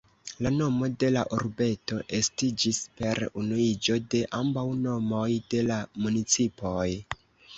La nomo de la urbeto estiĝis per unuiĝo de ambaŭ nomoj de la municipoj.